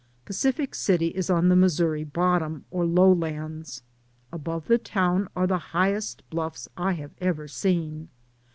Pacific City is on the Missouri bottom, or lowlands. Above the town are the highest bluffs I have ever seen.